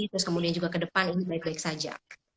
terus kemudian juga ke depan ini baik baik saja